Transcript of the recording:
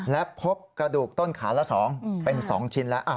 และพบกระดูกต้นขาละสองอืมเป็นสองชิ้นแล้วอ่ะ